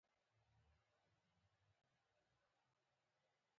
د سترګو کسي سوری تنګیږي او پراخیږي.